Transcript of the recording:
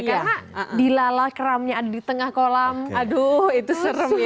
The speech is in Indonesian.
karena dilala keramnya ada di tengah kolam aduh itu serem ya